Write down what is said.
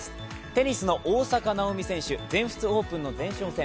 テニスの大坂なおみ選手、全仏オープンの前哨戦